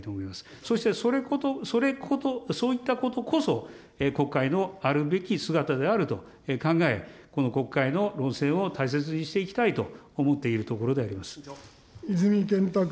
そして、そういったことこそ国会のあるべき姿であると考え、この国会の論戦を大切にしていきたいと思っているところでありま泉健太君。